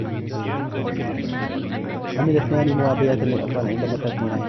عملت ماري مربّية للأطفال عندما كانت مراهقة.